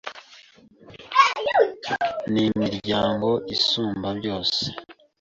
n'imiryango isumba byose